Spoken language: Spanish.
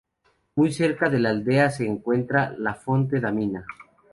Muy cerca de la aldea se encuentra la Fonte da Mina.